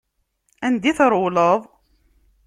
Anda i trewleḍ?